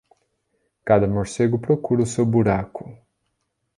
Cada morcego procura o seu buraco.